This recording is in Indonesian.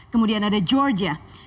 kemudian ada georgia